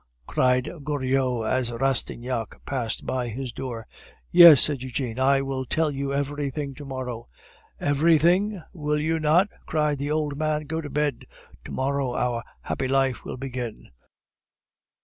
cried Goriot, as Rastignac passed by his door. "Yes," said Eugene; "I will tell you everything to morrow." "Everything, will you not?" cried the old man. "Go to bed. To morrow our happy life will begin."